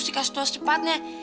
mesti dikasih tau secepatnya